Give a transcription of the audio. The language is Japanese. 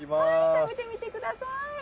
食べてみてください。